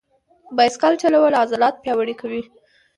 بایسکل چلول عضلات پیاوړي کوي.